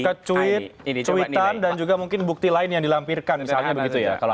ke cuitan dan juga mungkin bukti lain yang dilampirkan misalnya begitu ya